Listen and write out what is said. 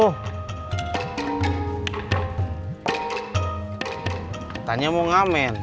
katanya mau ngamen